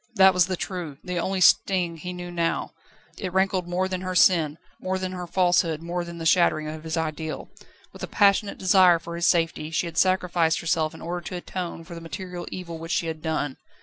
That was the true, the only sting which he knew now; it rankled more than her sin, more than her falsehood, more than the shattering of his ideal. With a passionate desire for his safety, she had sacrificed herself in order to atone for the material evil which she had done.